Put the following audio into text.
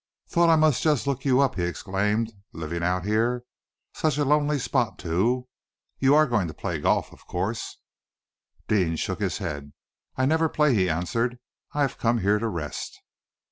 "Thought I must just look you up," he explained, "living out here. Such a lonely spot, too! You are going to play golf, of course?" Deane shook his head. "I never play," he answered. "I have come here to rest."